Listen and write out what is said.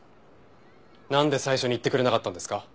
なんで最初に言ってくれなかったんですか？